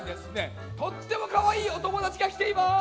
とってもかわいいおともだちがきています。